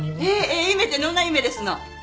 ええ夢ってどんな夢ですの？